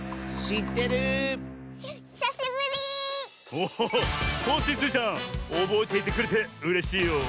おおっコッシースイちゃんおぼえていてくれてうれしいよ。